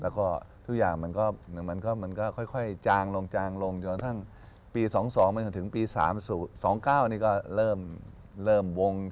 แล้วก็ทุกอย่างมันก็ค่อยจางลงจนทั้งปี๒๐๒๒มันจะถึงปี๓๐๒๙นี่ก็เริ่มวง